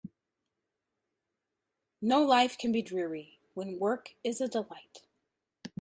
No life can be dreary when work is a delight.